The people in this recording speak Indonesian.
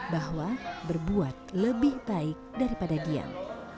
bahwa berbuat lebih baik daripada diam